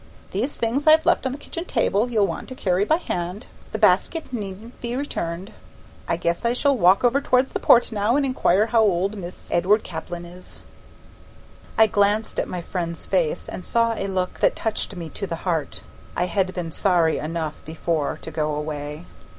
"These things I've left on the kitchen table you'll want to carry by hand; the basket needn't be returned. I guess I shall walk over towards the Port now an' inquire how old Mis' Edward Caplin is." I glanced at my friend's face, and saw a look that touched me to the heart. I had been sorry enough before to go away.